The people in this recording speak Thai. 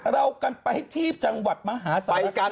เรากันไปที่จังหวัดมหาศาลกัน